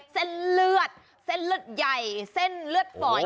เส้นเลือดเส้นเลือดใหญ่เส้นเลือดฝอย